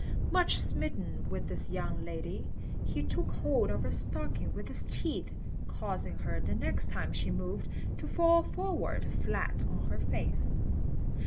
Much smitten with this young lady, he took hold of her stocking with his teeth, causing her, the next time she moved, to fall forward flat on her face.